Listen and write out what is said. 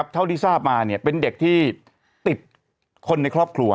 เท่าที่ทราบมาเป็นเด็กที่ติดคนในครอบครัว